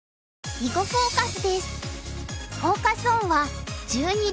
「囲碁フォーカス」です。